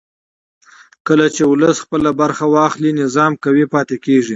کله چې ولس خپله برخه واخلي نظام قوي پاتې کېږي